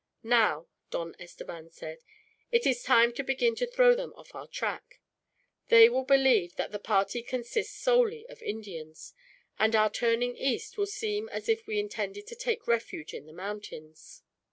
"Now," Don Estevan said, "it is time to begin to throw them off our track. They will believe that the party consist solely of Indians, and our turning east will seem as if we intended to take refuge in the mountains.